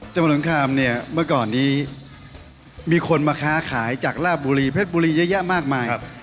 เมืองสงครามเนี่ยเมื่อก่อนนี้มีคนมาค้าขายจากลาบบุรีเพชรบุรีเยอะแยะมากมาย